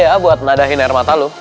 iya buat nadahin air mata lu